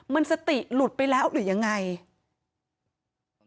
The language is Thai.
มันสติหลุดไปแล้วหรือยังไง